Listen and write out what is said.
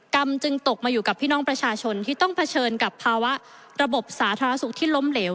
จึงตกมาอยู่กับพี่น้องประชาชนที่ต้องเผชิญกับภาวะระบบสาธารณสุขที่ล้มเหลว